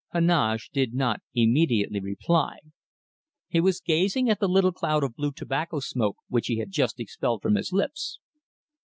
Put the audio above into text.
Heneage did not immediately reply. He was gazing at the little cloud of blue tobacco smoke which he had just expelled from his lips.